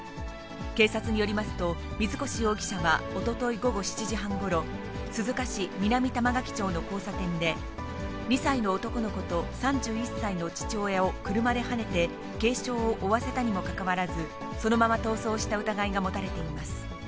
警察によりますと、水越容疑者はおととい午後７時半ごろ、鈴鹿市南玉垣町の交差点で、２歳の男の子と３１歳の父親を車ではねて、軽傷を負わせたにもかかわらず、そのまま逃走した疑いが持たれています。